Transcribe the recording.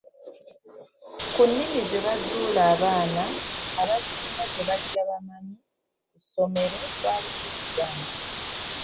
Ku nnimi ze baazuula abaana abasinga ze bajja bamanyi ku ssomero kwaliko Oluganda.